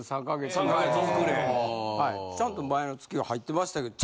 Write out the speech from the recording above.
ちゃんと前の月が入ってましたけど。